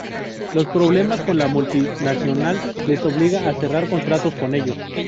Los problemas con la multinacional les obliga a cerrar contrato con ellos.